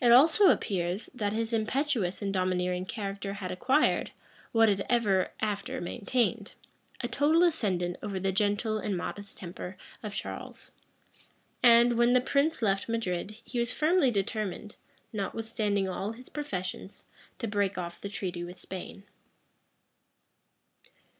It also appears, that his impetuous and domineering character had acquired, what it ever after maintained, a total ascendant over the gentle and modest temper of Charles; and, when the prince left Madrid, he was firmly determined, notwithstanding all his professions, to break off the treaty with Spain.